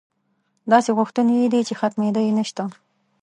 داسې غوښتنې یې دي چې ختمېدا یې نشته.